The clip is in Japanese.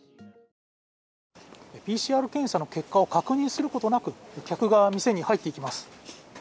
ＰＣＲ検査の結果を確認することなく、客が店に入っていきます。